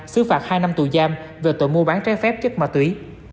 xứ phạt hai năm tù giam về tội mua bán trái phép chất ma túy